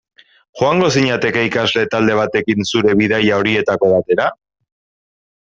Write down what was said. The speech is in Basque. Joango zinateke ikasle talde batekin zure bidaia horietako batera?